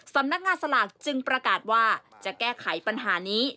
สำนักงานสลากจึงประกาศว่าจะแก้ไขปัญหานี้